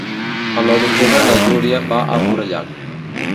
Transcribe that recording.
El nou d'octubre na Júlia va a Forallac.